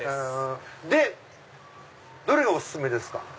でどれがお薦めですか？